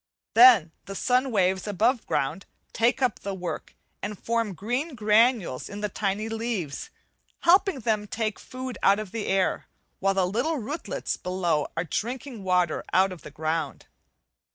Then the sun waves above ground take up the work, and form green granules in the tiny leaves, helping them to take food out of the air, while the little rootlets below are drinking water out of the ground.